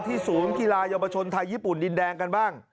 ที่สูรุนธิ์กีฬายอมชนไทยเยี่ยปุ่นดินแดงกันบ้าง